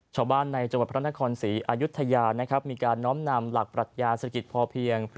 ชาวบ้านในจังหวัดพระนครศรีอายุทยานะครับมีการน้อมนำหลักปรัชญาเศรษฐกิจพอเพียง